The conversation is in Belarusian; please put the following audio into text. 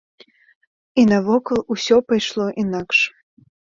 І навокал усё пайшло інакш.